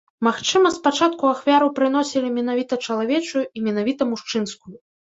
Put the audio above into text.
Магчыма спачатку ахвяру прыносілі менавіта чалавечую і менавіта мужчынскую.